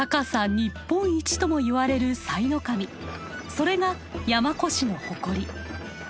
それが山古志の誇り。